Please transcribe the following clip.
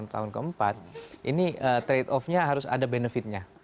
tahun keempat ini trade off nya harus ada benefitnya